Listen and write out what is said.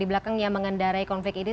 di belakang yang mengendarai konflik ini